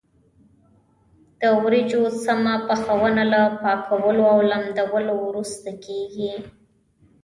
د وریجو سمه پخونه له پاکولو او لمدولو وروسته کېږي.